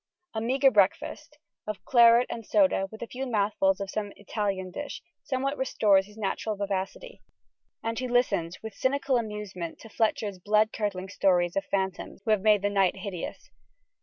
A meagre breakfast, of claret and soda with a few mouthfuls of some Italian dish, somewhat restores his natural vivacity: and he listens with cynical amusement to Fletcher's blood curdling stories of the phantoms who have made night hideous.